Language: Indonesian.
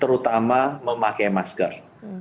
terutama memakai masker